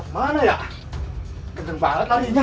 mana ya gede banget lainnya